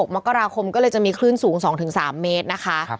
มกราคมก็เลยจะมีคลื่นสูง๒๓เมตรนะคะ